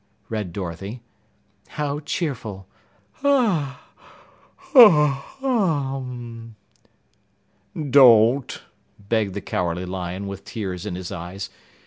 _ read Dorothy. "How cheerful! Hah, hoh, hum mm!" "Don't!" begged the Cowardly Lion with tears in his eyes.